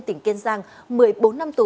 tỉnh kiên giang một mươi bốn năm tù